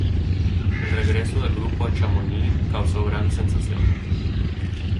El regreso del grupo a Chamonix causó gran sensación.